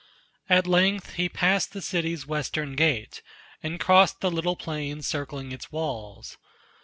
At length he passed the city's western gate, And crossed the little plain circling its walls.